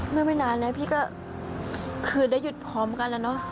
ไม่นานแล้วพี่ก็คือได้หยุดพร้อมกันแล้วเนอะ